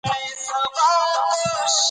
شمال د کړکۍ له درزونو څخه ننوځي او بڼیږي.